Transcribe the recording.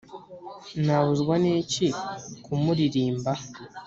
nabuzwa n'iki ku muririmba